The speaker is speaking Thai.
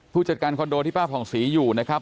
ผู้จัดการคอนโดที่ป้าผ่องศรีอยู่นะครับ